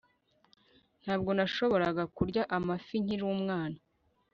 Ntabwo nashoboraga kurya amafi nkiri umwana